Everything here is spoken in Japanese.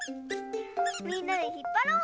みんなでひっぱろう！